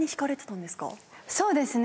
そうですね。